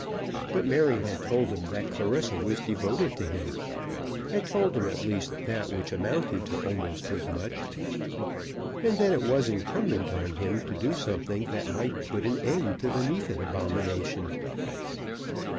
But Mary had told him that Clarissa was devoted to him, had told him at least that which amounted to almost as much. And then it was incumbent on him to do something that might put an end to the Neefit abomination.